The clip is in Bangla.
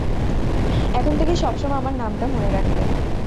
এখন থেকে সবসময় আমার নামটা মনে রাখবেন!